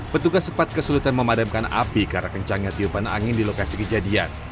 petugas sempat kesulitan memadamkan api karena kencangnya tiupan angin di lokasi kejadian